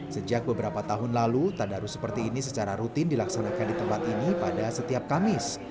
sejak beberapa tahun lalu tadarus seperti ini secara rutin dilaksanakan di tempat ini pada setiap kamis